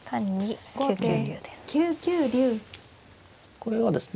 これはですね